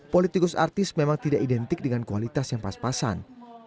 politikus artis memang tidak identik dengan kualitas yang pas pasan